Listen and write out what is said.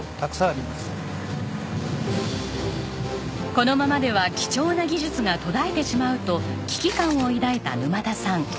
このままでは貴重な技術が途絶えてしまうと危機感を抱いた沼田さん。